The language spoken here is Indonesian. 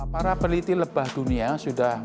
para peneliti lebah dunia sudah